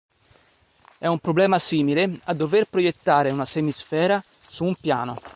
È un problema simile a dover proiettare una semisfera su un piano.